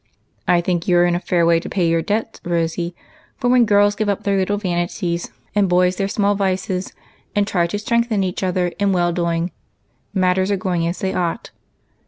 " I think you are in a fair way to pay your debts, Rosy, for when girls give up their little vanities, and boys their small vices, and try to strengthen each other in well doing, matters are going as they ought.